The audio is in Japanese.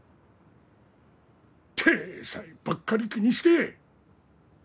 体裁ばっかり気にして！